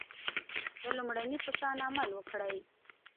د لومړني په شان عمل وکړئ.